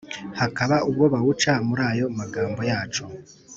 hakaba ubwo bawuca muri ayo magambo yacu,